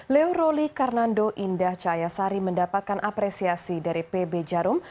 leo roli karnando indah cayasari mendapatkan apresiasi dari pb jarum